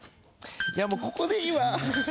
もうここでいいわ。